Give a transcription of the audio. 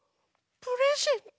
プレゼント？